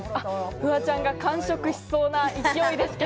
フワちゃんが完食しそうな勢いです。